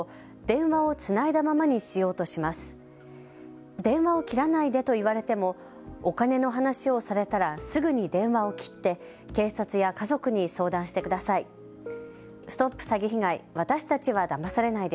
電話を切らないでと言われてもお金の話をされたらすぐに電話を切って警察や家族に相談してください。